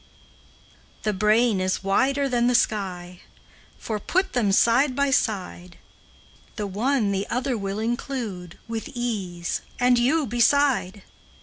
The brain is wider than the sky, For, put them side by side, The one the other will include With ease, and you beside.